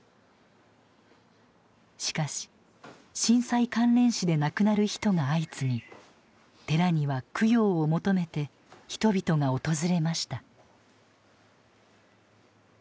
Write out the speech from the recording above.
しかし震災関連死で亡くなる人が相次ぎ寺には供養を求めて人々が訪れました。